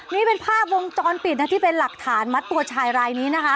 นี่เป็นภาพวงจรปิดนะที่เป็นหลักฐานมัดตัวชายรายนี้นะคะ